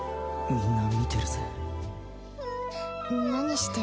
みんな見てるぜううっ